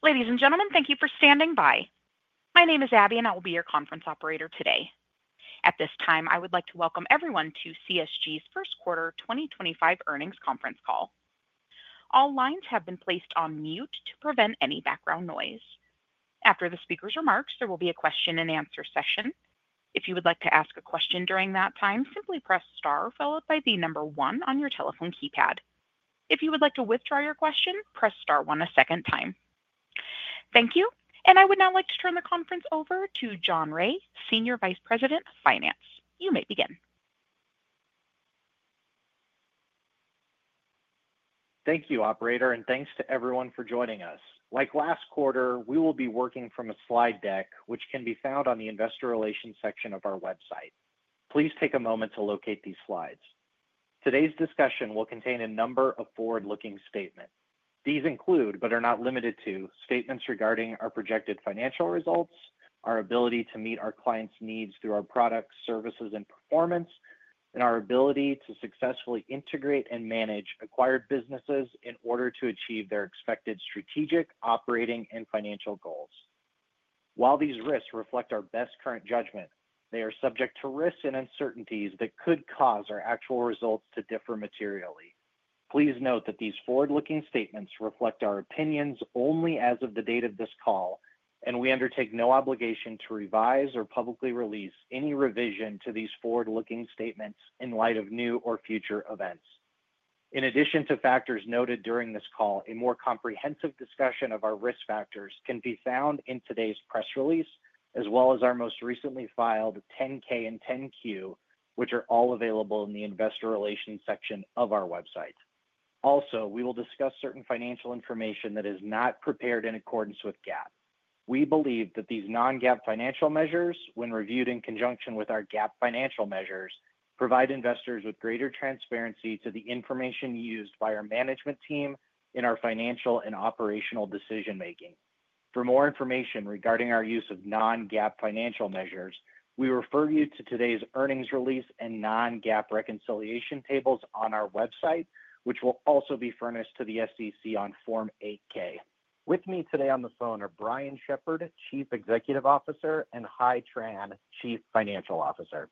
Ladies and gentlemen, thank you for standing by. My name is Abby, and I will be your conference operator today. At this time, I would like to welcome everyone to CSG's first quarter 2025 earnings conference call. All lines have been placed on mute to prevent any background noise. After the speaker's remarks, there will be a question-and-answer session. If you would like to ask a question during that time, simply press star followed by the number one on your telephone keypad. If you would like to withdraw your question, press star one a second time. Thank you, and I would now like to turn the conference over to John Rea, Senior Vice President of Finance. You may begin. Thank you, Operator, and thanks to everyone for joining us. Like last quarter, we will be working from a slide deck, which can be found on the Investor Relations section of our website. Please take a moment to locate these slides. Today's discussion will contain a number of forward-looking statements. These include, but are not limited to, statements regarding our projected financial results, our ability to meet our clients' needs through our products, services, and performance, and our ability to successfully integrate and manage acquired businesses in order to achieve their expected strategic, operating, and financial goals. While these statements reflect our best current judgment, they are subject to risks and uncertainties that could cause our actual results to differ materially. Please note that these forward-looking statements reflect our opinions only as of the date of this call, and we undertake no obligation to revise or publicly release any revision to these forward-looking statements in light of new or future events. In addition to factors noted during this call, a more comprehensive discussion of our risk factors can be found in today's press release, as well as our most recently filed 10-K and 10-Q, which are all available in the Investor Relations section of our website. Also, we will discuss certain financial information that is not prepared in accordance with GAAP. We believe that these non-GAAP financial measures, when reviewed in conjunction with our GAAP financial measures, provide investors with greater transparency to the information used by our management team in our financial and operational decision-making. For more information regarding our use of non-GAAP financial measures, we refer you to today's earnings release and non-GAAP reconciliation tables on our website, which will also be furnished to the SEC on Form 8-K. With me today on the phone are Brian Shepherd, Chief Executive Officer, and Hai Tran, Chief Financial Officer.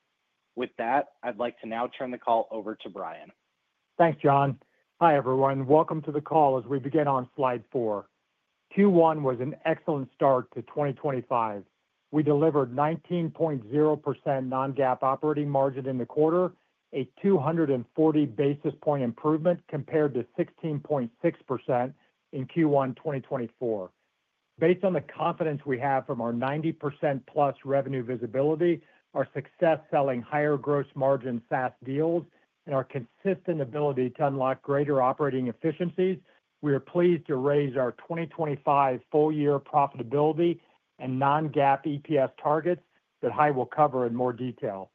With that, I'd like to now turn the call over to Brian. Thanks, John. Hi, everyone. Welcome to the call as we begin on slide four. Q1 was an excellent start to 2025. We delivered 19.0% non-GAAP operating margin in the quarter, a 240 basis point improvement compared to 16.6% in Q1 2024. Based on the confidence we have from our 90% plus revenue visibility, our success selling higher gross margin SaaS deals, and our consistent ability to unlock greater operating efficiencies, we are pleased to raise our 2025 full-year profitability and non-GAAP EPS targets that Hai will cover in more detail.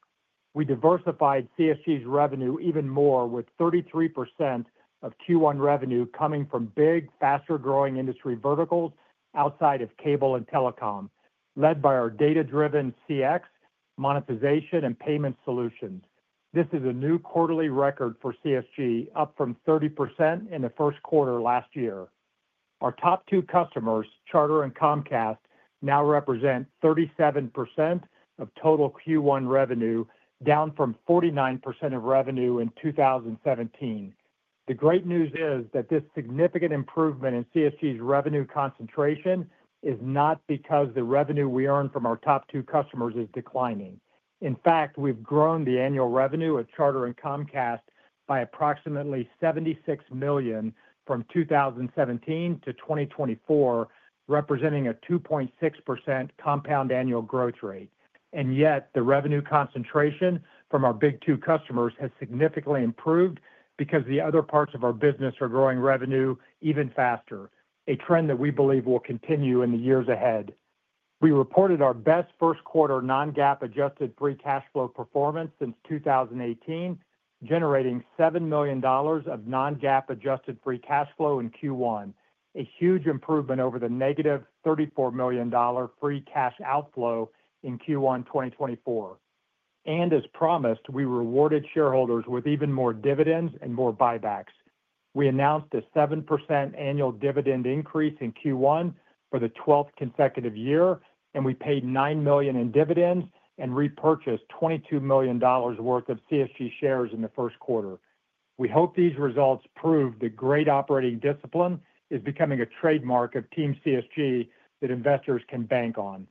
We diversified CSG's revenue even more, with 33% of Q1 revenue coming from big, faster-growing industry verticals outside of cable and telecom, led by our data-driven CX monetization and payment solutions. This is a new quarterly record for CSG, up from 30% in the first quarter last year. Our top two customers, Charter and Comcast, now represent 37% of total Q1 revenue, down from 49% of revenue in 2017. The great news is that this significant improvement in CSG's revenue concentration is not because the revenue we earn from our top two customers is declining. In fact, we've grown the annual revenue at Charter and Comcast by approximately $76 million from 2017 to 2024, representing a 2.6% compound annual growth rate. Yet, the revenue concentration from our big two customers has significantly improved because the other parts of our business are growing revenue even faster, a trend that we believe will continue in the years ahead. We reported our best first quarter non-GAAP adjusted free cash flow performance since 2018, generating $7 million of non-GAAP adjusted free cash flow in Q1, a huge improvement over the negative $34 million free cash outflow in Q1 2024. As promised, we rewarded shareholders with even more dividends and more buybacks. We announced a 7% annual dividend increase in Q1 for the 12th consecutive year, and we paid $9 million in dividends and repurchased $22 million worth of CSG shares in the first quarter. We hope these results prove that great operating discipline is becoming a trademark of Team CSG that investors can bank on.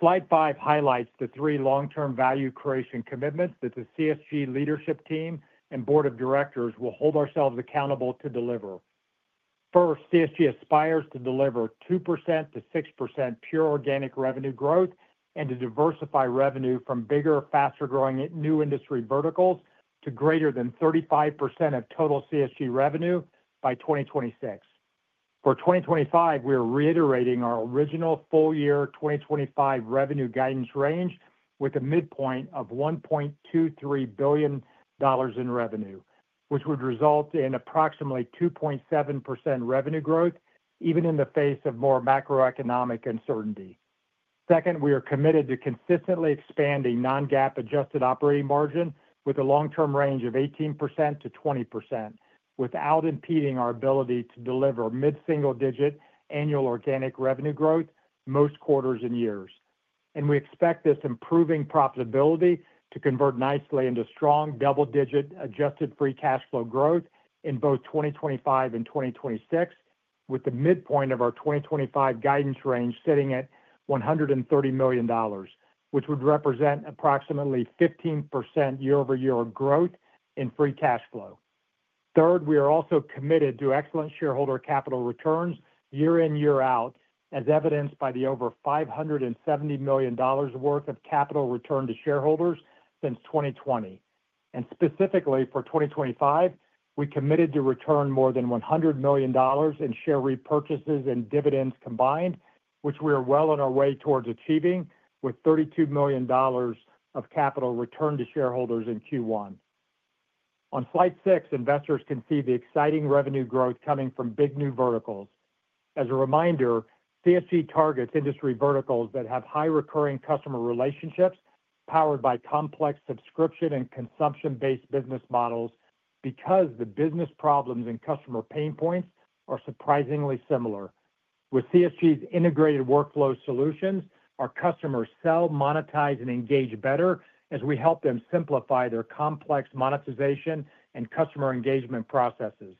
Slide five highlights the three long-term value creation commitments that the CSG leadership team and board of directors will hold ourselves accountable to deliver. First, CSG aspires to deliver 2%-6% pure organic revenue growth and to diversify revenue from bigger, faster-growing new industry verticals to greater than 35% of total CSG revenue by 2026. For 2025, we are reiterating our original full-year 2025 revenue guidance range with a midpoint of $1.23 billion in revenue, which would result in approximately 2.7% revenue growth, even in the face of more macroeconomic uncertainty. Second, we are committed to consistently expanding non-GAAP adjusted operating margin with a long-term range of 18%-20%, without impeding our ability to deliver mid-single-digit annual organic revenue growth most quarters and years. We expect this improving profitability to convert nicely into strong double-digit adjusted free cash flow growth in both 2025 and 2026, with the midpoint of our 2025 guidance range sitting at $130 million, which would represent approximately 15% year-over-year growth in free cash flow. Third, we are also committed to excellent shareholder capital returns year in, year out, as evidenced by the over $570 million worth of capital return to shareholders since 2020. Specifically for 2025, we committed to return more than $100 million in share repurchases and dividends combined, which we are well on our way towards achieving with $32 million of capital return to shareholders in Q1. On slide six, investors can see the exciting revenue growth coming from big new verticals. As a reminder, CSG targets industry verticals that have high recurring customer relationships powered by complex subscription and consumption-based business models because the business problems and customer pain points are surprisingly similar. With CSG's integrated workflow solutions, our customers sell, monetize, and engage better as we help them simplify their complex monetization and customer engagement processes.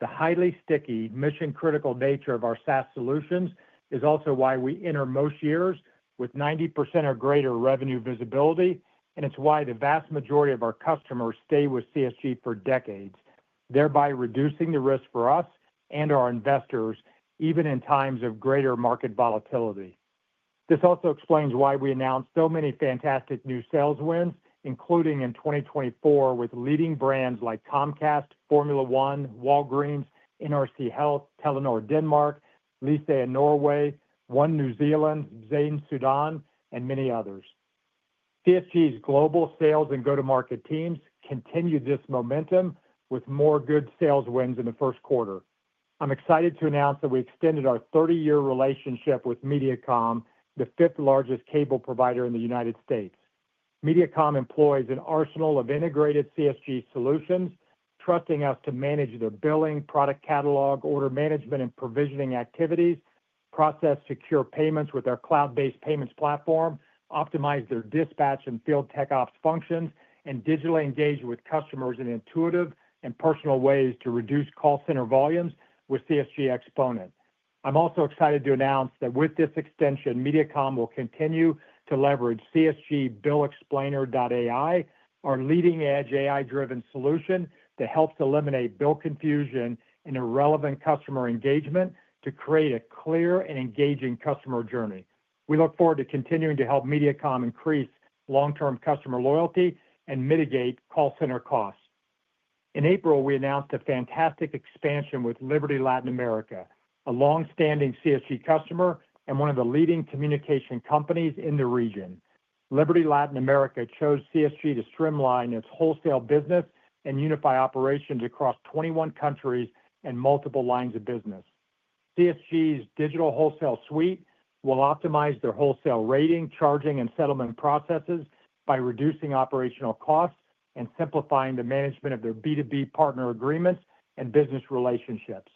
The highly sticky, mission-critical nature of our SaaS solutions is also why we enter most years with 90% or greater revenue visibility, and it's why the vast majority of our customers stay with CSG for decades, thereby reducing the risk for us and our investors, even in times of greater market volatility. This also explains why we announced so many fantastic new sales wins, including in 2024 with leading brands like Comcast, Formula One, Walgreens, NRC Health, Telenor Denmark, Lyse in Norway, One New Zealand, Zain Sudan, and many others. CSG's global sales and go-to-market teams continue this momentum with more good sales wins in the first quarter. I'm excited to announce that we extended our 30-year relationship with Mediacom, the fifth largest cable provider in the United States. Mediacom employs an arsenal of integrated CSG solutions, trusting us to manage their billing, product catalog, order management, and provisioning activities, process secure payments with our cloud-based payments platform, optimize their dispatch and field tech ops functions, and digitally engage with customers in intuitive and personal ways to reduce call center volumes with CSG Exponent. I'm also excited to announce that with this extension, Mediacom will continue to leverage CSG Bill Explainer.ai, our leading-edge AI-driven solution that helps eliminate bill confusion and irrelevant customer engagement to create a clear and engaging customer journey. We look forward to continuing to help Mediacom increase long-term customer loyalty and mitigate call center costs. In April, we announced a fantastic expansion with Liberty Latin America, a longstanding CSG customer and one of the leading communication companies in the region. Liberty Latin America chose CSG to streamline its wholesale business and unify operations across 21 countries and multiple lines of business. CSG's Digital Wholesale Suite will optimize their wholesale rating, charging, and settlement processes by reducing operational costs and simplifying the management of their B2B partner agreements and business relationships.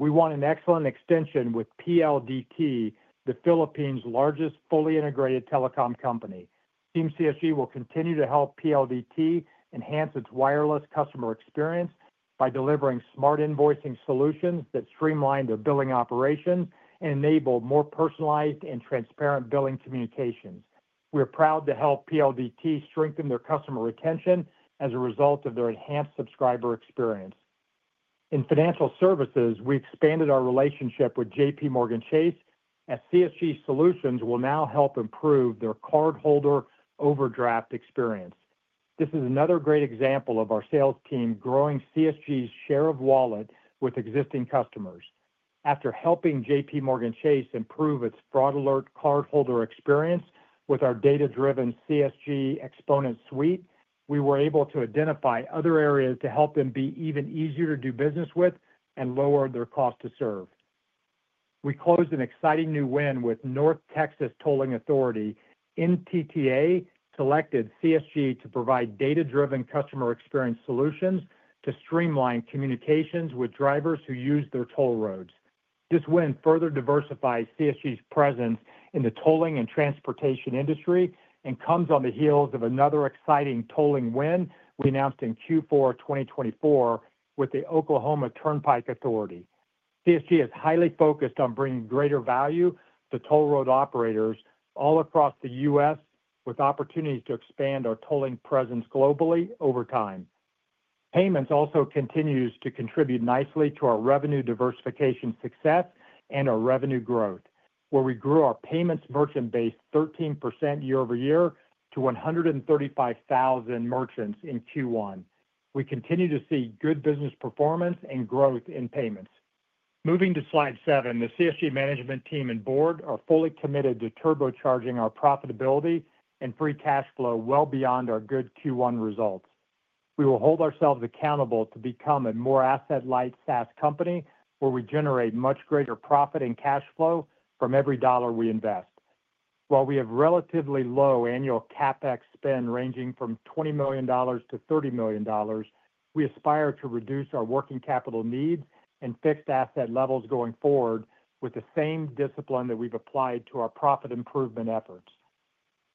We won an excellent extension with PLDT, the Philippines' largest fully integrated telecom company. Team CSG will continue to help PLDT enhance its wireless customer experience by delivering smart invoicing solutions that streamline their billing operations and enable more personalized and transparent billing communications. We're proud to help PLDT strengthen their customer retention as a result of their enhanced subscriber experience. In financial services, we expanded our relationship with JPMorgan Chase, as CSG solutions will now help improve their cardholder overdraft experience. This is another great example of our sales team growing CSG's share of wallet with existing customers. After helping JPMorgan Chase improve its fraud alert cardholder experience with our data-driven CSG Exponent suite, we were able to identify other areas to help them be even easier to do business with and lower their cost to serve. We closed an exciting new win with North Texas Tollway Authority. NTTA selected CSG to provide data-driven customer experience solutions to streamline communications with drivers who use their toll roads. This win further diversifies CSG's presence in the tolling and transportation industry and comes on the heels of another exciting tolling win we announced in Q4 2024 with the Oklahoma Turnpike Authority. CSG is highly focused on bringing greater value to toll road operators all across the US, with opportunities to expand our tolling presence globally over time. Payments also continues to contribute nicely to our revenue diversification success and our revenue growth, where we grew our payments merchant base 13% year-over-year to 135,000 merchants in Q1. We continue to see good business performance and growth in payments. Moving to slide seven, the CSG management team and board are fully committed to turbocharging our profitability and free cash flow well beyond our good Q1 results. We will hold ourselves accountable to become a more asset-light SaaS company where we generate much greater profit and cash flow from every dollar we invest. While we have relatively low annual CapEx spend ranging from $20 million-$30 million, we aspire to reduce our working capital needs and fixed asset levels going forward with the same discipline that we've applied to our profit improvement efforts.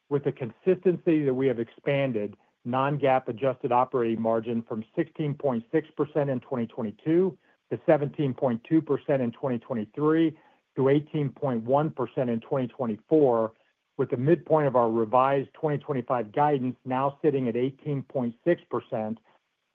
With the consistency that we have expanded non-GAAP adjusted operating margin from 16.6% in 2022 to 17.2% in 2023 to 18.1% in 2024, with the midpoint of our revised 2025 guidance now sitting at 18.6%,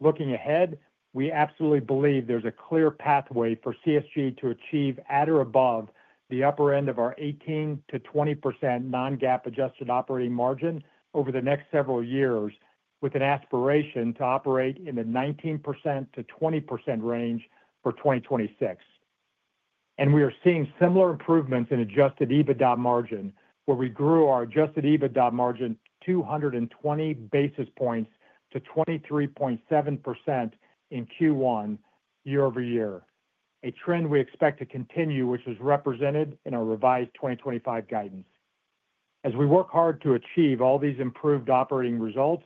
looking ahead, we absolutely believe there's a clear pathway for CSG to achieve at or above the upper end of our 18%-20% non-GAAP adjusted operating margin over the next several years, with an aspiration to operate in the 19%-20% range for 2026. We are seeing similar improvements in adjusted EBITDA margin, where we grew our adjusted EBITDA margin 220 basis points to 23.7% in Q1 year-over-year, a trend we expect to continue, which is represented in our revised 2025 guidance. As we work hard to achieve all these improved operating results,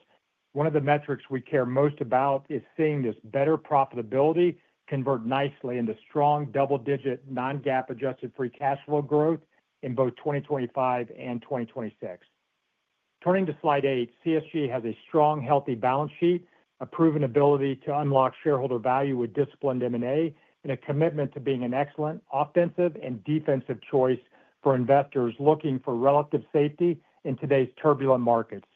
one of the metrics we care most about is seeing this better profitability convert nicely into strong double-digit non-GAAP adjusted free cash flow growth in both 2025 and 2026. Turning to slide eight, CSG has a strong, healthy balance sheet, a proven ability to unlock shareholder value with disciplined M&A, and a commitment to being an excellent offensive and defensive choice for investors looking for relative safety in today's turbulent markets.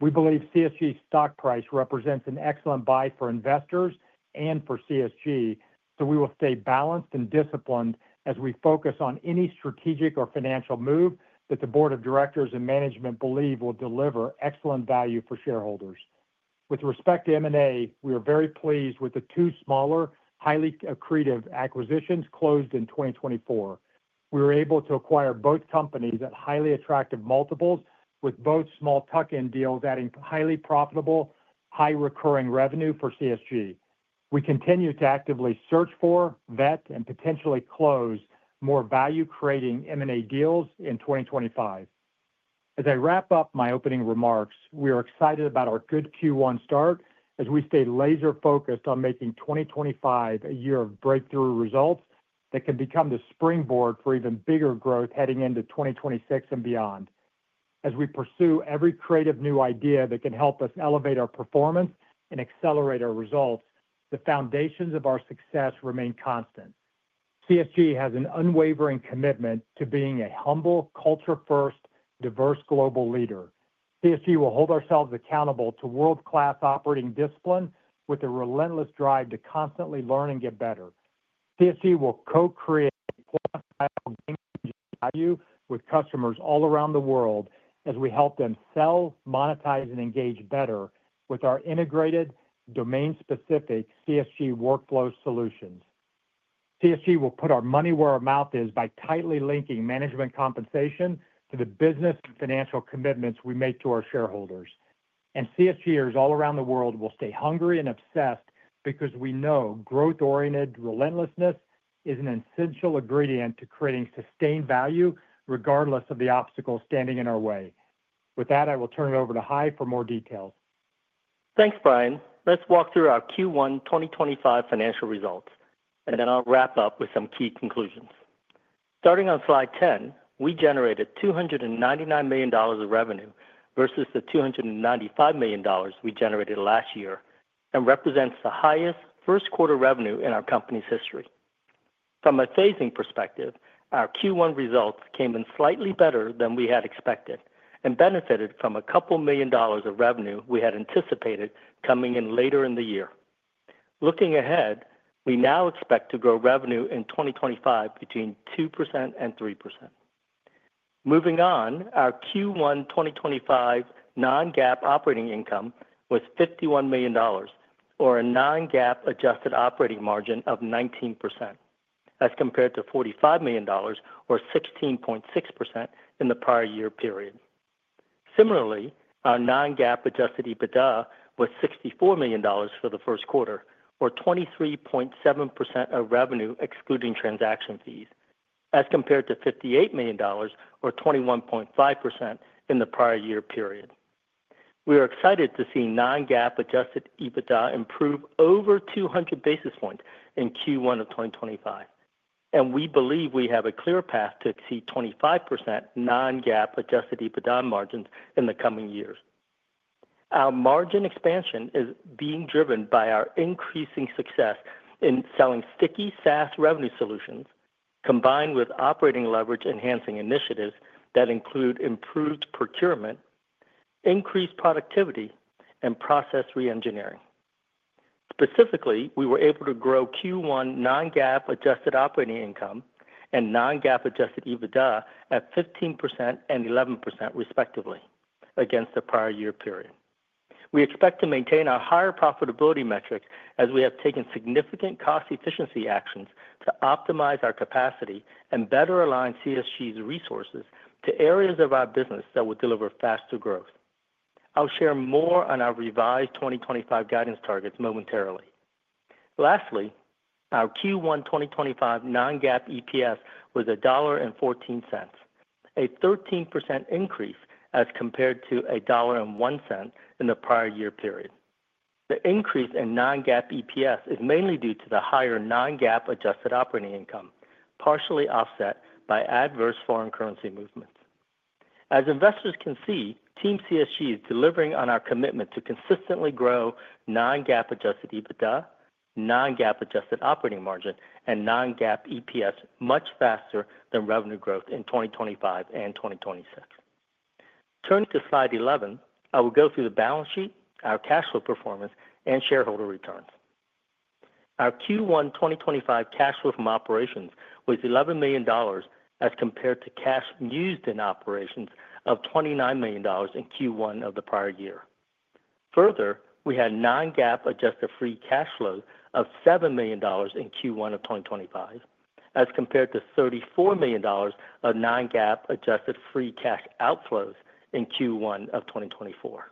We believe CSG's stock price represents an excellent buy for investors and for CSG, so we will stay balanced and disciplined as we focus on any strategic or financial move that the board of directors and management believe will deliver excellent value for shareholders. With respect to M&A, we are very pleased with the two smaller, highly accretive acquisitions closed in 2024. We were able to acquire both companies at highly attractive multiples, with both small tuck-in deals adding highly profitable, high recurring revenue for CSG. We continue to actively search for, vet, and potentially close more value-creating M&A deals in 2025. As I wrap up my opening remarks, we are excited about our good Q1 start as we stay laser-focused on making 2025 a year of breakthrough results that can become the springboard for even bigger growth heading into 2026 and beyond. As we pursue every creative new idea that can help us elevate our performance and accelerate our results, the foundations of our success remain constant. CSG has an unwavering commitment to being a humble, culture-first, diverse global leader. CSG will hold ourselves accountable to world-class operating discipline with a relentless drive to constantly learn and get better. CSG will co-create and qualify our game-changing value with customers all around the world as we help them sell, monetize, and engage better with our integrated, domain-specific CSG workflow solutions. CSG will put our money where our mouth is by tightly linking management compensation to the business and financial commitments we make to our shareholders. CSGers all around the world will stay hungry and obsessed because we know growth-oriented relentlessness is an essential ingredient to creating sustained value regardless of the obstacles standing in our way. With that, I will turn it over to Hai for more details. Thanks, Brian. Let's walk through our Q1 2025 financial results, and then I'll wrap up with some key conclusions. Starting on slide 10, we generated $299 million of revenue versus the $295 million we generated last year and represents the highest first-quarter revenue in our company's history. From a phasing perspective, our Q1 results came in slightly better than we had expected and benefited from a couple million dollars of revenue we had anticipated coming in later in the year. Looking ahead, we now expect to grow revenue in 2025 between 2% and 3%. Moving on, our Q1 2025 non-GAAP operating income was $51 million, or a non-GAAP adjusted operating margin of 19%, as compared to $45 million or 16.6% in the prior year period. Similarly, our non-GAAP adjusted EBITDA was $64 million for the first quarter, or 23.7% of revenue excluding transaction fees, as compared to $58 million or 21.5% in the prior year period. We are excited to see non-GAAP adjusted EBITDA improve over 200 basis points in Q1 of 2025, and we believe we have a clear path to exceed 25% non-GAAP adjusted EBITDA margins in the coming years. Our margin expansion is being driven by our increasing success in selling sticky SaaS revenue solutions combined with operating leverage enhancing initiatives that include improved procurement, increased productivity, and process re-engineering. Specifically, we were able to grow Q1 non-GAAP adjusted operating income and non-GAAP adjusted EBITDA at 15% and 11% respectively against the prior year period. We expect to maintain our higher profitability metrics as we have taken significant cost efficiency actions to optimize our capacity and better align CSG's resources to areas of our business that will deliver faster growth. I'll share more on our revised 2025 guidance targets momentarily. Lastly, our Q1 2025 non-GAAP EPS was $1.14, a 13% increase as compared to $1.01 in the prior year period. The increase in non-GAAP EPS is mainly due to the higher non-GAAP adjusted operating income, partially offset by adverse foreign currency movements. As investors can see, Team CSG is delivering on our commitment to consistently grow non-GAAP adjusted EBITDA, non-GAAP adjusted operating margin, and non-GAAP EPS much faster than revenue growth in 2025 and 2026. Turning to slide 11, I will go through the balance sheet, our cash flow performance, and shareholder returns. Our Q1 2025 cash flow from operations was $11 million as compared to cash used in operations of $29 million in Q1 of the prior year. Further, we had non-GAAP adjusted free cash flow of $7 million in Q1 of 2025 as compared to $34 million of non-GAAP adjusted free cash outflows in Q1 of 2024.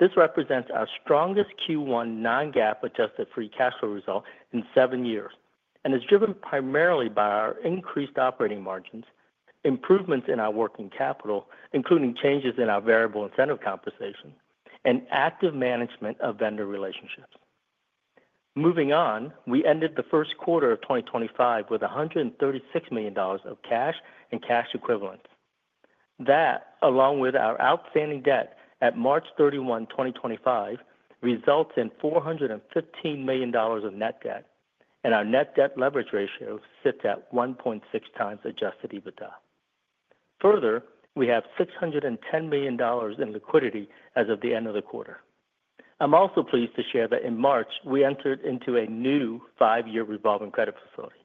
This represents our strongest Q1 non-GAAP adjusted free cash flow result in seven years and is driven primarily by our increased operating margins, improvements in our working capital, including changes in our variable incentive compensation, and active management of vendor relationships. Moving on, we ended the first quarter of 2025 with $136 million of cash and cash equivalents. That, along with our outstanding debt at March 31, 2025, results in $415 million of net debt, and our net debt leverage ratio sits at 1.6 times adjusted EBITDA. Further, we have $610 million in liquidity as of the end of the quarter. I'm also pleased to share that in March, we entered into a new five-year revolving credit facility.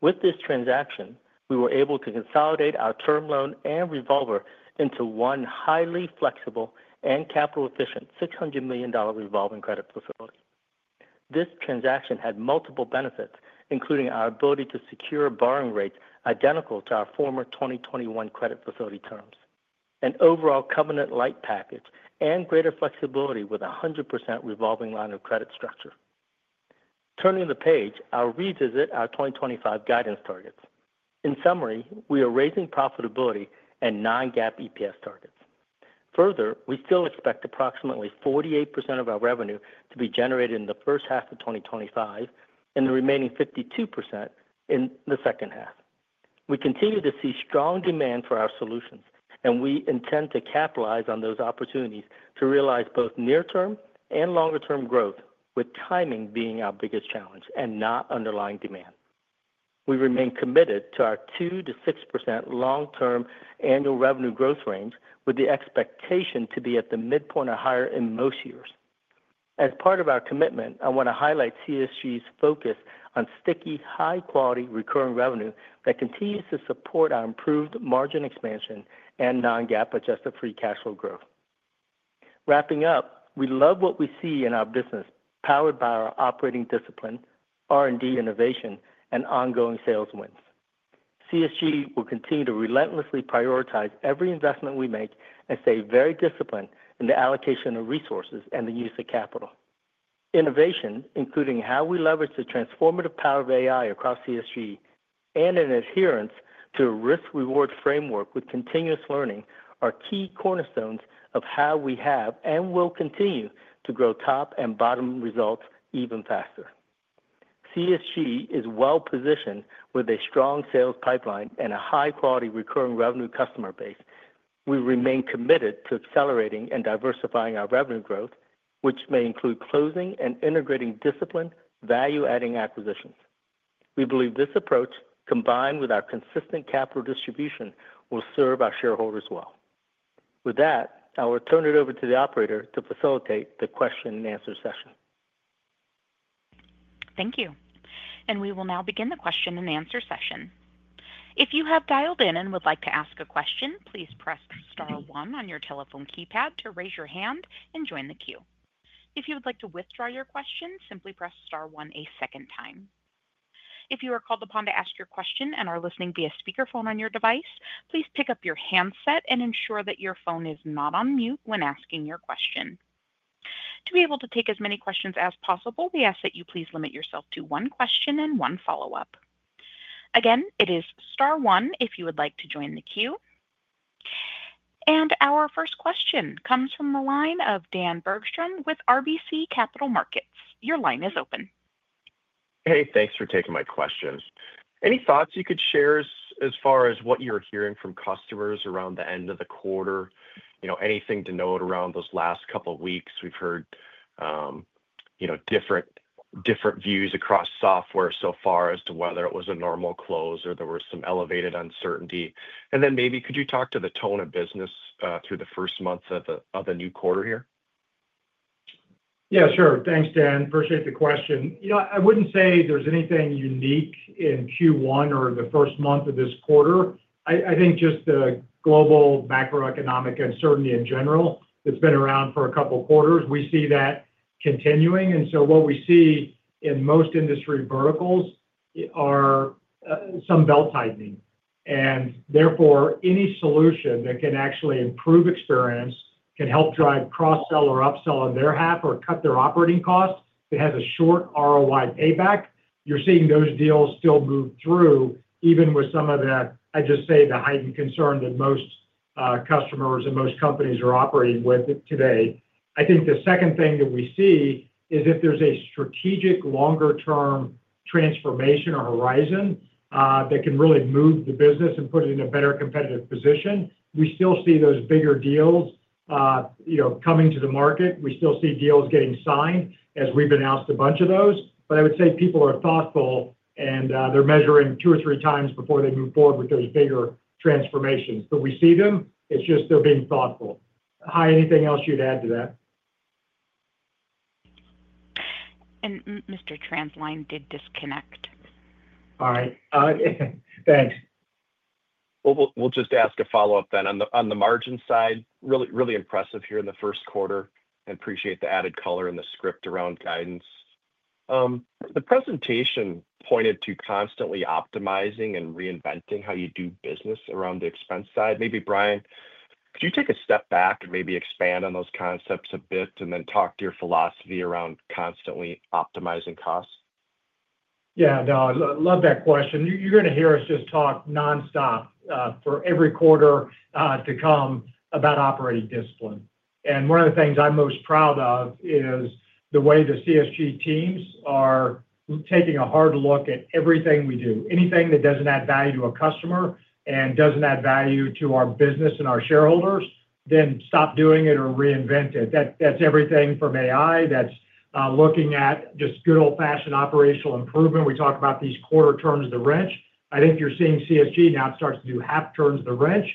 With this transaction, we were able to consolidate our term loan and revolver into one highly flexible and capital-efficient $600 million revolving credit facility. This transaction had multiple benefits, including our ability to secure borrowing rates identical to our former 2021 credit facility terms, an overall covenant-like package, and greater flexibility with a 100% revolving line of credit structure. Turning the page, I'll revisit our 2025 guidance targets. In summary, we are raising profitability and non-GAAP EPS targets. Further, we still expect approximately 48% of our revenue to be generated in the first half of 2025 and the remaining 52% in the second half. We continue to see strong demand for our solutions, and we intend to capitalize on those opportunities to realize both near-term and longer-term growth, with timing being our biggest challenge and not underlying demand. We remain committed to our 2%-6% long-term annual revenue growth range, with the expectation to be at the midpoint or higher in most years. As part of our commitment, I want to highlight CSG's focus on sticky, high-quality recurring revenue that continues to support our improved margin expansion and non-GAAP adjusted free cash flow growth. Wrapping up, we love what we see in our business powered by our operating discipline, R&D innovation, and ongoing sales wins. CSG will continue to relentlessly prioritize every investment we make and stay very disciplined in the allocation of resources and the use of capital. Innovation, including how we leverage the transformative power of AI across CSG and in adherence to a risk-reward framework with continuous learning, are key cornerstones of how we have and will continue to grow top and bottom results even faster. CSG is well-positioned with a strong sales pipeline and a high-quality recurring revenue customer base. We remain committed to accelerating and diversifying our revenue growth, which may include closing and integrating disciplined, value-adding acquisitions. We believe this approach, combined with our consistent capital distribution, will serve our shareholders well. With that, I will turn it over to the operator to facilitate the question-and-answer session. Thank you. We will now begin the question-and-answer session. If you have dialed in and would like to ask a question, please press star one on your telephone keypad to raise your hand and join the queue. If you would like to withdraw your question, simply press star one a second time. If you are called upon to ask your question and are listening via speakerphone on your device, please pick up your handset and ensure that your phone is not on mute when asking your question. To be able to take as many questions as possible, we ask that you please limit yourself to one question and one follow-up. Again, it is star one if you would like to join the queue. Our first question comes from the line of Dan Bergstrom with RBC Capital Markets. Your line is open. Hey, thanks for taking my questions. Any thoughts you could share as far as what you're hearing from customers around the end of the quarter? Anything to note around those last couple of weeks? We've heard different views across software so far as to whether it was a normal close or there was some elevated uncertainty. Maybe could you talk to the tone of business through the first month of the new quarter here? Yeah, sure. Thanks, Dan. Appreciate the question. I wouldn't say there's anything unique in Q1 or the first month of this quarter. I think just the global macroeconomic uncertainty in general that's been around for a couple of quarters, we see that continuing. What we see in most industry verticals are some belt tightening. Therefore, any solution that can actually improve experience can help drive cross-sell or upsell on their half or cut their operating cost. It has a short ROI payback. You're seeing those deals still move through, even with some of the, I just say, the heightened concern that most customers and most companies are operating with today. I think the second thing that we see is if there's a strategic longer-term transformation or horizon that can really move the business and put it in a better competitive position. We still see those bigger deals coming to the market. We still see deals getting signed as we've announced a bunch of those. I would say people are thoughtful, and they're measuring two or three times before they move forward with those bigger transformations. We see them. It's just they're being thoughtful. Hai, anything else you'd add to that? And Mr. Dan did disconnect. All right. Thanks. We'll just ask a follow-up then. On the margin side, really impressive here in the first quarter. I appreciate the added color in the script around guidance. The presentation pointed to constantly optimizing and reinventing how you do business around the expense side. Maybe, Brian, could you take a step back and maybe expand on those concepts a bit and then talk to your philosophy around constantly optimizing costs? Yeah, no, I love that question. You're going to hear us just talk nonstop for every quarter to come about operating discipline. One of the things I'm most proud of is the way the CSG teams are taking a hard look at everything we do. Anything that does not add value to a customer and does not add value to our business and our shareholders, then stop doing it or reinvent it. That is everything from AI that is looking at just good old-fashioned operational improvement. We talk about these quarter turns the wrench. I think you're seeing CSG now starts to do half turns the wrench.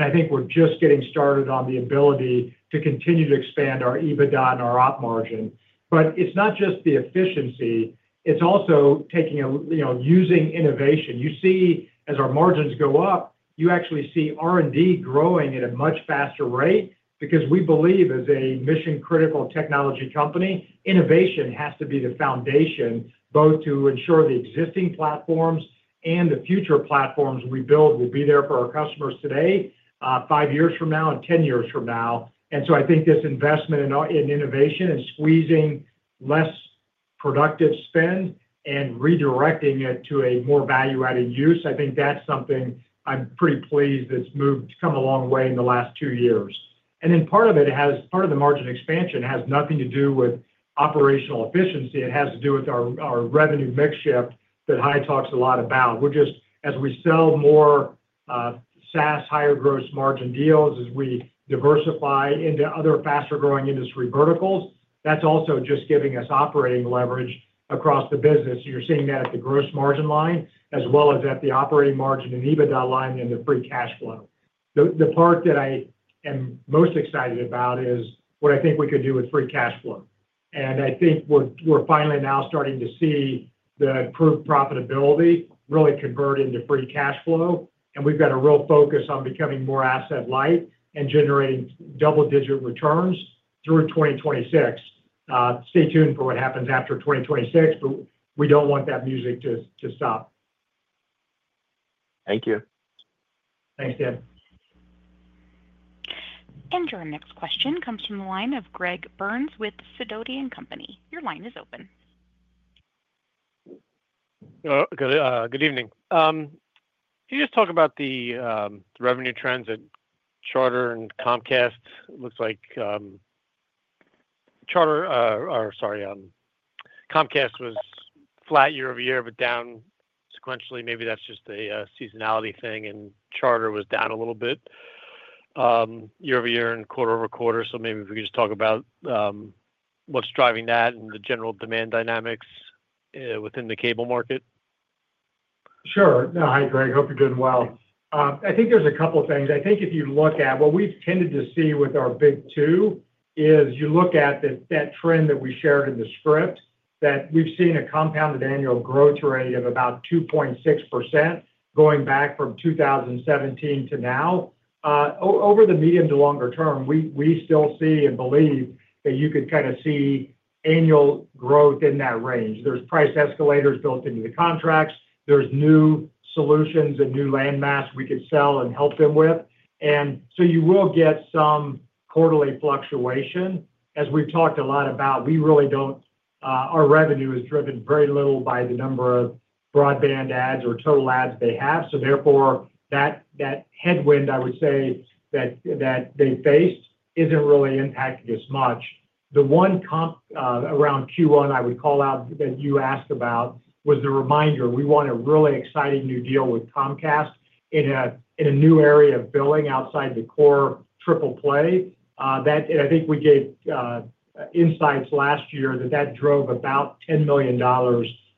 I think we're just getting started on the ability to continue to expand our EBITDA and our op margin. It's not just the efficiency. It's also using innovation. You see, as our margins go up, you actually see R&D growing at a much faster rate because we believe, as a mission-critical technology company, innovation has to be the foundation both to ensure the existing platforms and the future platforms we build will be there for our customers today, five years from now, and ten years from now. I think this investment in innovation and squeezing less productive spend and redirecting it to a more value-added use, I think that's something I'm pretty pleased that's come a long way in the last two years. Part of the margin expansion has nothing to do with operational efficiency. It has to do with our revenue mix shift that Hai talks a lot about. We're just, as we sell more SaaS higher gross margin deals, as we diversify into other faster-growing industry verticals, that's also just giving us operating leverage across the business. You're seeing that at the gross margin line as well as at the operating margin and EBITDA line and the free cash flow. The part that I am most excited about is what I think we can do with free cash flow. I think we're finally now starting to see the improved profitability really convert into free cash flow. We've got a real focus on becoming more asset-light and generating double-digit returns through 2026. Stay tuned for what happens after 2026, but we do not want that music to stop. Thank you. Thanks, Dan. Your next question comes from the line of Gregory Burns with Sidoti & Company. Your line is open. Good evening. Can you just talk about the revenue trends at Charter and Comcast? It looks like Charter, or sorry, Comcast was flat year over year, but down sequentially. Maybe that is just a seasonality thing, and Charter was down a little bit year over year and quarter over quarter. Maybe we could just talk about what is driving that and the general demand dynamics within the cable market. Sure. No, hi, Gregory. Hope you are doing well. I think there is a couple of things. I think if you look at what we've tended to see with our big two is you look at that trend that we shared in the script that we've seen a compounded annual growth rate of about 2.6% going back from 2017 to now. Over the medium to longer term, we still see and believe that you could kind of see annual growth in that range. There's price escalators built into the contracts. There's new solutions and new landmass we could sell and help them with. You will get some quarterly fluctuation. As we've talked a lot about, we really don't, our revenue is driven very little by the number of broadband ads or total ads they have. Therefore, that headwind, I would say, that they faced isn't really impacting as much. The one comp around Q1 I would call out that you asked about was the reminder. We won a really exciting new deal with Comcast in a new area of billing outside the core triple play. I think we gave insights last year that that drove about $10 million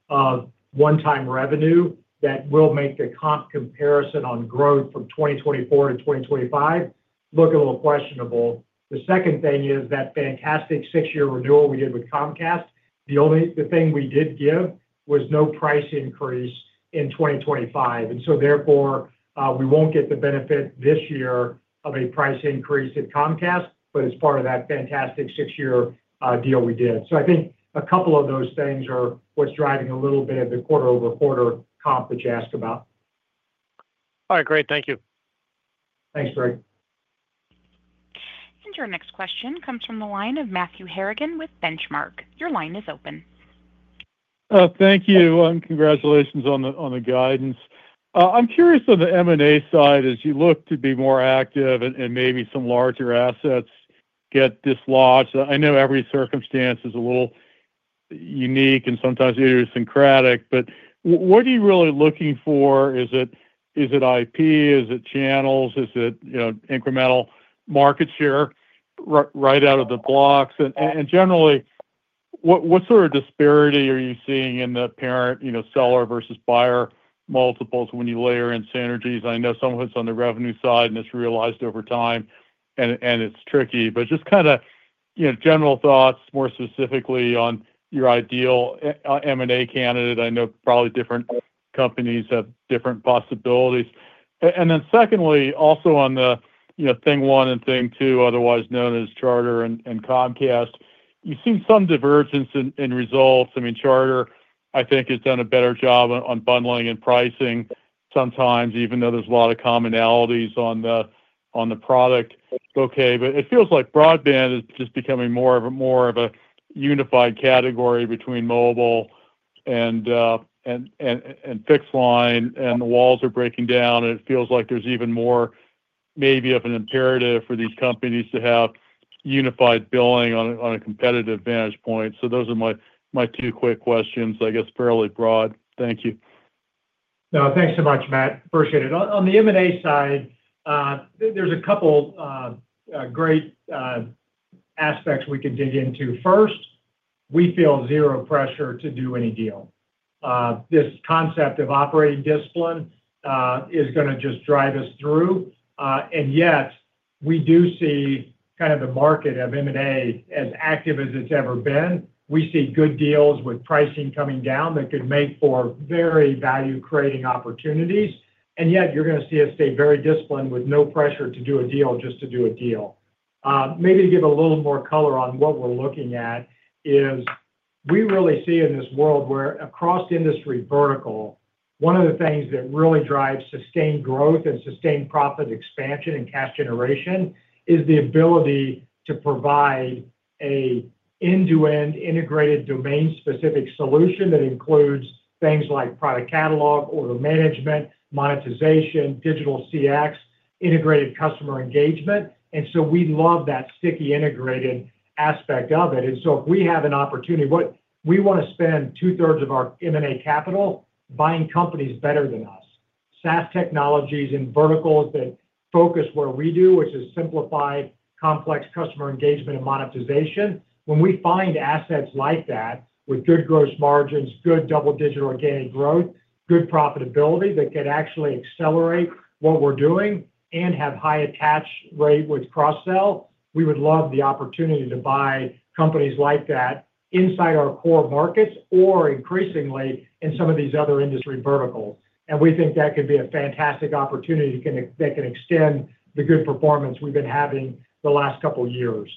of one-time revenue that will make the comp comparison on growth from 2024 to 2025 look a little questionable. The second thing is that fantastic six-year renewal we did with Comcast. The thing we did give was no price increase in 2025. Therefore, we won't get the benefit this year of a price increase at Comcast, but it's part of that fantastic six-year deal we did. I think a couple of those things are what's driving a little bit of the quarter-over-quarter comp that you asked about. All right. Great. Thank you. Thanks, Gregory. Your next question comes from the line of Matthew Harrigan with Benchmark. Your line is open. Thank you. Congratulations on the guidance. I'm curious on the M&A side, as you look to be more active and maybe some larger assets get dislodged. I know every circumstance is a little unique and sometimes idiosyncratic, but what are you really looking for? Is it IP? Is it channels? Is it incremental market share right out of the blocks? Generally, what sort of disparity are you seeing in the parent seller versus buyer multiples when you layer in synergies? I know some of it is on the revenue side, and it is realized over time, and it is tricky. Just kind of general thoughts, more specifically on your ideal M&A candidate. I know probably different companies have different possibilities. Then secondly, also on the thing one and thing two, otherwise known as Charter and Comcast, you've seen some divergence in results. I mean, Charter, I think, has done a better job on bundling and pricing sometimes, even though there's a lot of commonalities on the product. Okay. It feels like broadband is just becoming more of a unified category between mobile and fixed line, and the walls are breaking down. It feels like there's even more maybe of an imperative for these companies to have unified billing on a competitive vantage point. Those are my two quick questions. I guess fairly broad. Thank you. No, thanks so much, Matt. Appreciate it. On the M&A side, there's a couple of great aspects we could dig into. First, we feel zero pressure to do any deal. This concept of operating discipline is going to just drive us through. Yet, we do see kind of the market of M&A as active as it's ever been. We see good deals with pricing coming down that could make for very value-creating opportunities. Yet, you're going to see us stay very disciplined with no pressure to do a deal just to do a deal. Maybe to give a little more color on what we're looking at is we really see in this world where across industry vertical, one of the things that really drives sustained growth and sustained profit expansion and cash generation is the ability to provide an end-to-end integrated domain-specific solution that includes things like product catalog, order management, monetization, digital CX, integrated customer engagement. We love that sticky integrated aspect of it. If we have an opportunity, we want to spend two-thirds of our M&A capital buying companies better than us, SaaS technologies and verticals that focus where we do, which is simplified, complex customer engagement and monetization. When we find assets like that with good gross margins, good double-digit organic growth, good profitability that could actually accelerate what we're doing and have high attach rate with cross-sell, we would love the opportunity to buy companies like that inside our core markets or increasingly in some of these other industry verticals. We think that could be a fantastic opportunity that can extend the good performance we've been having the last couple of years.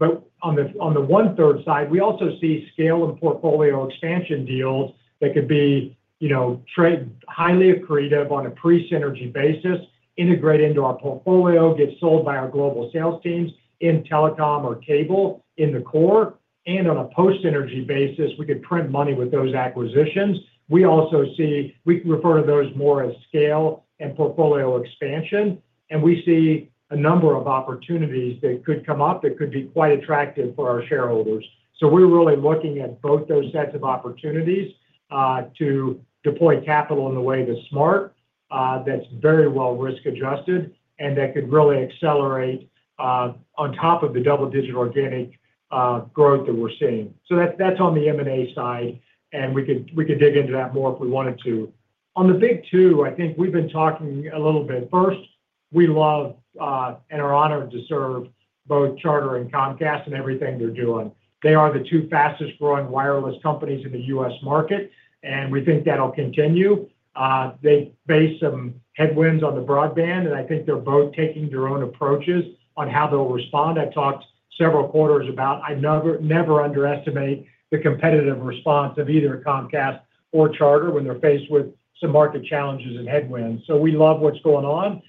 On the one-third side, we also see scale and portfolio expansion deals that could be highly accretive on a pre-synergy basis, integrate into our portfolio, get sold by our global sales teams in telecom or cable in the core, and on a post-synergy basis, we could print money with those acquisitions. We also see we refer to those more as scale and portfolio expansion. We see a number of opportunities that could come up that could be quite attractive for our shareholders. We are really looking at both those sets of opportunities to deploy capital in a way that is smart, that is very well risk-adjusted, and that could really accelerate on top of the double-digit organic growth that we are seeing. That is on the M&A side, and we could dig into that more if we wanted to. On the big two, I think we have been talking a little bit. First, we love and are honored to serve both Charter and Comcast and everything they're doing. They are the two fastest-growing wireless companies in the U.S. market, and we think that'll continue. They face some headwinds on the broadband, and I think they're both taking their own approaches on how they'll respond. I've talked several quarters about I never underestimate the competitive response of either Comcast or Charter when they're faced with some market challenges and headwinds. We love what's going on.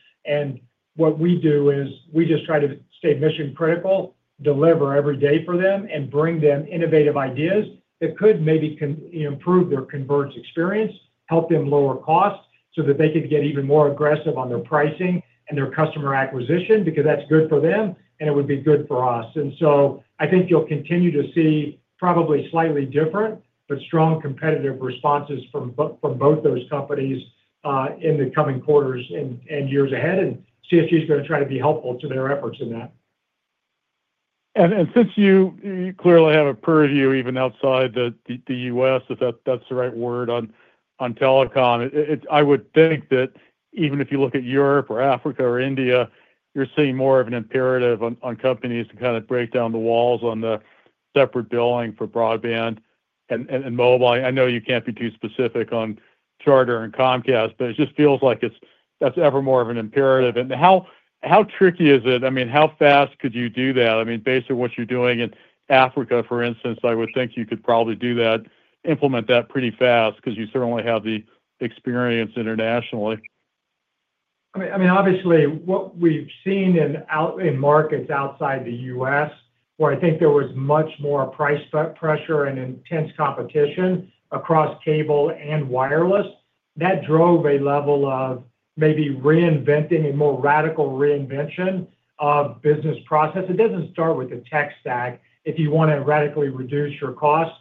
What we do is we just try to stay mission-critical, deliver every day for them, and bring them innovative ideas that could maybe improve their converged experience, help them lower costs so that they could get even more aggressive on their pricing and their customer acquisition because that's good for them, and it would be good for us. I think you'll continue to see probably slightly different but strong competitive responses from both those companies in the coming quarters and years ahead. CSG is going to try to be helpful to their efforts in that. Since you clearly have a purview even outside the U.S., if that's the right word, on telecom, I would think that even if you look at Europe or Africa or India, you're seeing more of an imperative on companies to kind of break down the walls on the separate billing for broadband and mobile. I know you can't be too specific on Charter and Comcast, but it just feels like that's ever more of an imperative. How tricky is it? I mean, how fast could you do that? I mean, based on what you're doing in Africa, for instance, I would think you could probably do that, implement that pretty fast because you certainly have the experience internationally. I mean, obviously, what we've seen in markets outside the U.S., where I think there was much more price pressure and intense competition across cable and wireless, that drove a level of maybe reinventing a more radical reinvention of business process. It does not start with the tech stack if you want to radically reduce your costs,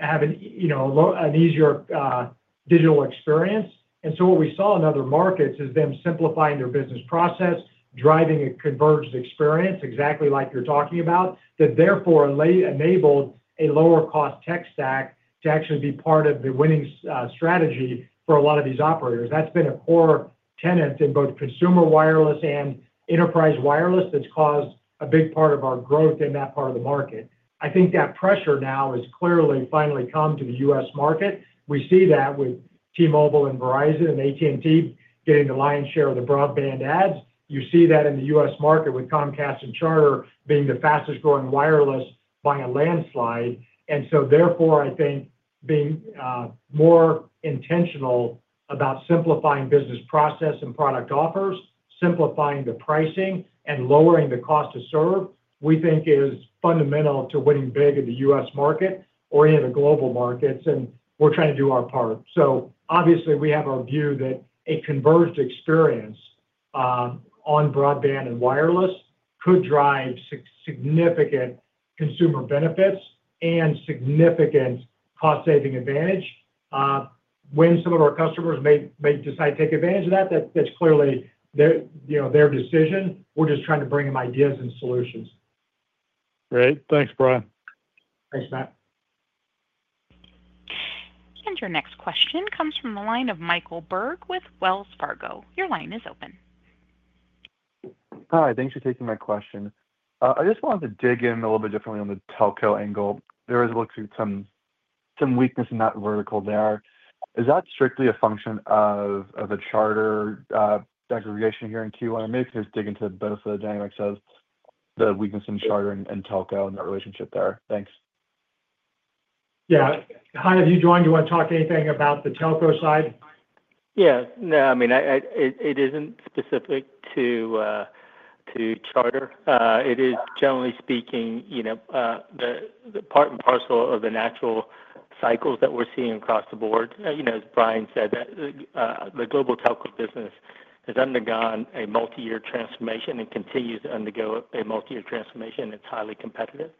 have an easier digital experience. And so what we saw in other markets is them simplifying their business process, driving a converged experience exactly like you're talking about, that therefore enabled a lower-cost tech stack to actually be part of the winning strategy for a lot of these operators. That's been a core tenet in both consumer wireless and enterprise wireless that's caused a big part of our growth in that part of the market. I think that pressure now has clearly finally come to the U.S. market. We see that with T-Mobile and Verizon and AT&T getting the lion's share of the broadband ads. You see that in the U.S. market with Comcast and Charter being the fastest-growing wireless by a landslide. Therefore, I think being more intentional about simplifying business process and product offers, simplifying the pricing, and lowering the cost to serve, we think is fundamental to winning big in the U.S. market or in the global markets. We're trying to do our part. Obviously, we have our view that a converged experience on broadband and wireless could drive significant consumer benefits and significant cost-saving advantage. When some of our customers may decide to take advantage of that, that's clearly their decision. We're just trying to bring them ideas and solutions. Great. Thanks, Brian. Thanks, Matthew. Your next question comes from the line of Michael Berg with Wells Fargo. Your line is open. Hi. Thanks for taking my question. I just wanted to dig in a little bit differently on the telco angle. There is looking to some weakness in that vertical there. Is that strictly a function of the Charter segregation here in Q1? Or maybe you can just dig into both of the dynamics of the weakness in Charter and telco and the relationship there. Thanks. Yeah. Hi. Have you joined? Do you want to talk anything about the telco side? Yeah. No. I mean, it isn't specific to Charter. It is, generally speaking, the part and parcel of the natural cycles that we're seeing across the board. As Brian said, the global telco business has undergone a multi-year transformation and continues to undergo a multi-year transformation. It's highly competitive.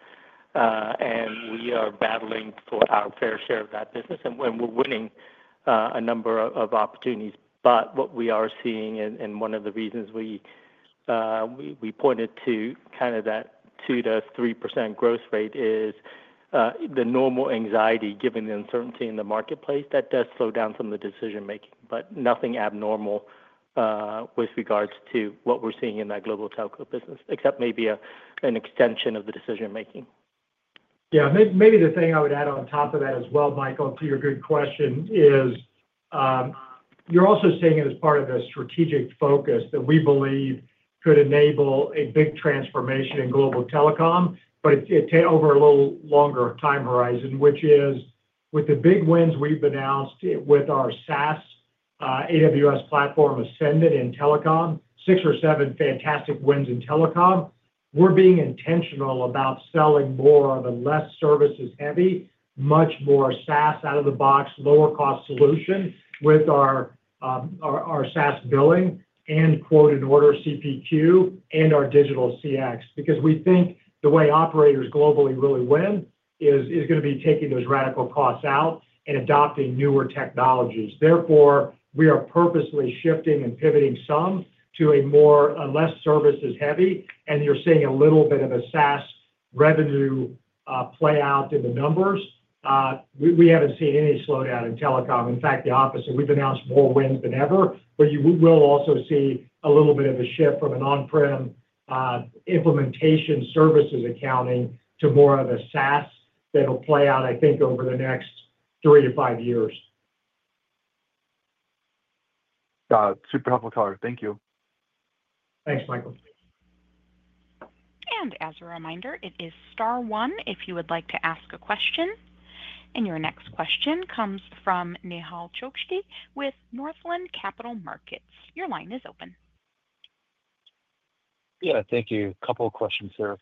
We are battling for our fair share of that business. We're winning a number of opportunities. What we are seeing, and one of the reasons we pointed to kind of that 2-3% growth rate, is the normal anxiety given the uncertainty in the marketplace. That does slow down some of the decision-making, but nothing abnormal with regards to what we're seeing in that global telco business, except maybe an extension of the decision-making. Yeah. Maybe the thing I would add on top of that as well, Michael, to your good question is you're also seeing it as part of a strategic focus that we believe could enable a big transformation in global telecom, but over a little longer time horizon, which is with the big wins we've announced with our SaaS AWS platform Ascendant in telecom, six or seven fantastic wins in telecom, we're being intentional about selling more of a less services-heavy, much more SaaS out-of-the-box, lower-cost solution with our SaaS billing and quote-and-order CPQ and our digital CX. Because we think the way operators globally really win is going to be taking those radical costs out and adopting newer technologies. Therefore, we are purposely shifting and pivoting some to a more less services-heavy. You're seeing a little bit of a SaaS revenue play out in the numbers. We have not seen any slowdown in telecom. In fact, the opposite. We have announced more wins than ever. You will also see a little bit of a shift from an on-prem implementation services accounting to more of a SaaS that will play out, I think, over the next three to five years. Super helpful, Thank you. Thanks, Michael. As a reminder, it is Star One if you would like to ask a question. Your next question comes from Nehal Chokshi with Northland Capital Markets. Your line is open. Yeah. Thank you. A couple of questions, sir.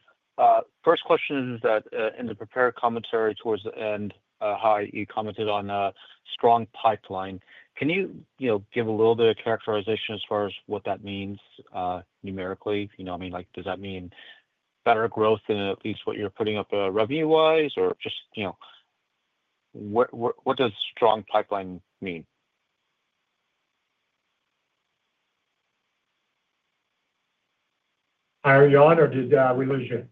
First question is that in the prepared commentary towards the end, how you commented on a strong pipeline. Can you give a little bit of characterization as far as what that means numerically? I mean, does that mean better growth in at least what you are putting up revenue-wise? Or just what does strong pipeline mean? Hi, are we on? Or did we lose you?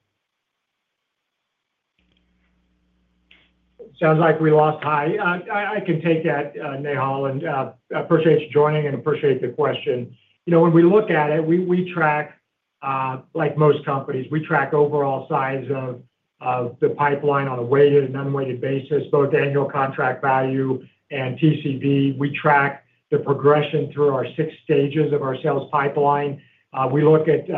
Sounds like we lost Hai. I can take that, Nehal. And I appreciate you joining and appreciate the question. When we look at it, we track like most companies, we track overall size of the pipeline on a weighted and unweighted basis, both annual contract value and TCV. We track the progression through our six stages of our sales pipeline. We look at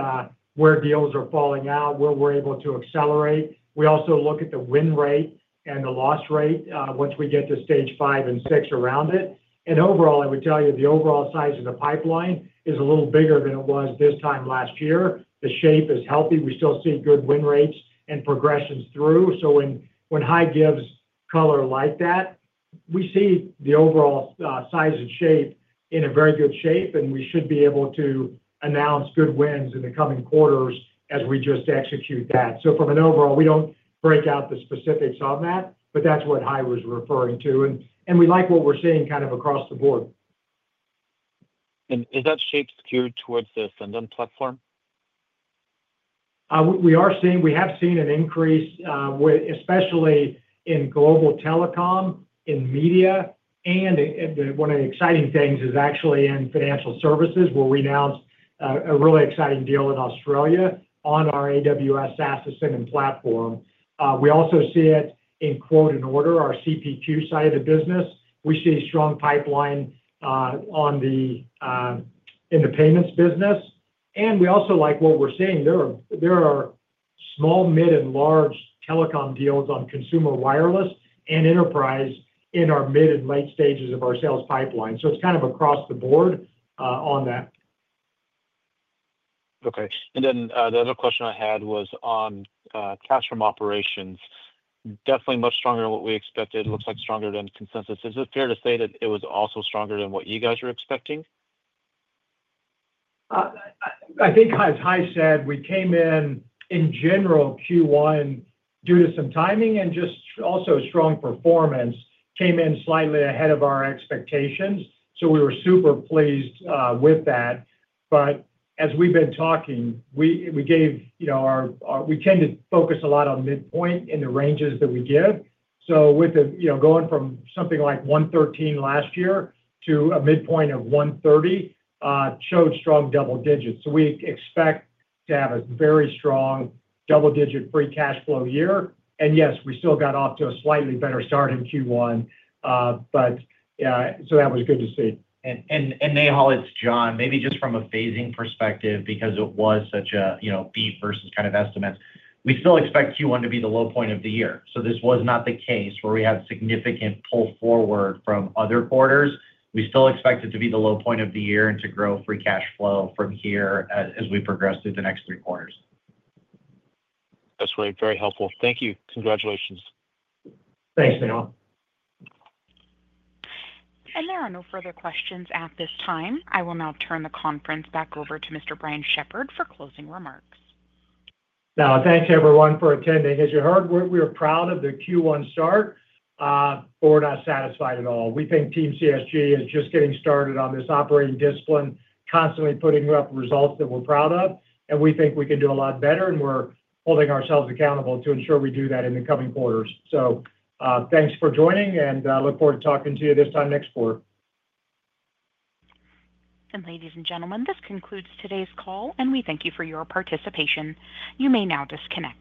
where deals are falling out, where we're able to accelerate. We also look at the win rate and the loss rate once we get to stage five and six around it. Overall, I would tell you the overall size of the pipeline is a little bigger than it was this time last year. The shape is healthy. We still see good win rates and progressions through. When Hai gives color like that, we see the overall size and shape in a very good shape. We should be able to announce good wins in the coming quarters as we just execute that. From an overall, we do not break out the specifics on that, but that is what Hai was referring to. We like what we are seeing kind of across the board. Is that shape secured towards the Ascendant platform? We have seen an increase, especially in global telecom, in media. One of the exciting things is actually in financial services. We announced a really exciting deal in Australia on our AWS SaaS Ascendant platform. We also see it in quote-and-order, our CPQ side of the business. We see a strong pipeline in the payments business. We also like what we are seeing. There are small, mid, and large telecom deals on consumer wireless and enterprise in our mid and late stages of our sales pipeline. It is kind of across the board on that. Okay. The other question I had was on cash from operations. Definitely much stronger than what we expected. It looks like stronger than consensus. Is it fair to say that it was also stronger than what you guys were expecting? I think as Hai said, we came in, in general, Q1 due to some timing and just also strong performance came in slightly ahead of our expectations. We were super pleased with that. As we have been talking, we gave our we tend to focus a lot on midpoint in the ranges that we give. With going from something like $113 million last year to a midpoint of $130 million showed strong double digits. We expect to have a very strong double-digit free cash flow year. Yes, we still got off to a slightly better start in Q1. That was good to see. Nehal, it is John. Maybe just from a phasing perspective because it was such a beef versus kind of estimates. We still expect Q1 to be the low point of the year. This was not the case where we had significant pull forward from other quarters. We still expect it to be the low point of the year and to grow free cash flow from here as we progress through the next three quarters. That is really very helpful. Thank you. Congratulations. Thanks, Nihal. There are no further questions at this time. I will now turn the conference back over to Mr. Brian Shepherd for closing remarks. Thank you, everyone, for attending. As you heard, we're proud of the Q1 start or not satisfied at all. We think Team CSG is just getting started on this operating discipline, constantly putting up results that we're proud of. We think we can do a lot better. We're holding ourselves accountable to ensure we do that in the coming quarters. Thanks for joining. I look forward to talking to you this time next quarter. Ladies and gentlemen, this concludes today's call. We thank you for your participation. You may now disconnect.